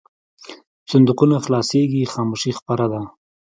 صندوقونه خلاصېږي خاموشي خپره ده.